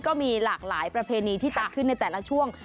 ก็มีหลากหลายประเพณีที่จัดขึ้นในแต่ละช่วง